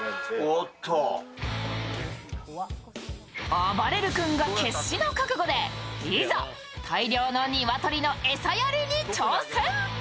あばれる君が決死の覚悟でいざ、大量のニワトリの餌やりに挑戦。